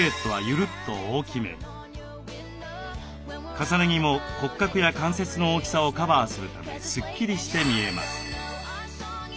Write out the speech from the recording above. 重ね着も骨格や関節の大きさをカバーするためスッキリして見えます。